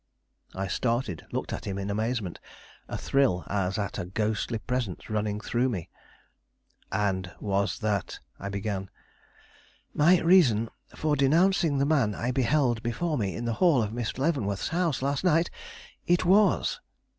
I started, looked at him in amazement, a thrill as at a ghostly presence running through me. "And was that " I began. "My reason for denouncing the man I beheld before me in the hall of Miss Leavenworth's house last night? It was."